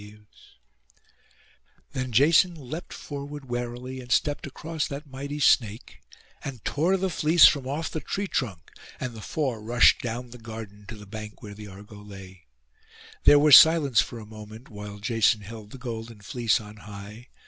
[Picture: Jason takes the fleece] Then Jason leapt forward warily, and stept across that mighty snake, and tore the fleece from off the tree trunk; and the four rushed down the garden, to the bank where the Argo lay. There was a silence for a moment, while Jason held the golden fleece on high.